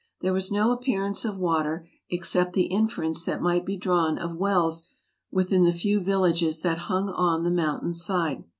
There was no appearance of water, ex cept the inference that might be drawn of wells within the few villages that hung on the mountain's side.